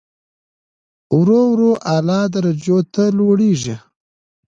ورو ورو اعلی درجو ته لوړېږي.